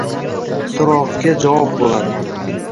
Soʻrogʻiga javob boʻladi